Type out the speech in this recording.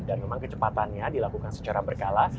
dan memang kecepatannya dilakukan secara berkala